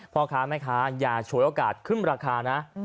พ่อค้าแม่ค้าอย่าฉวยโอกาสขึ้นราคานะ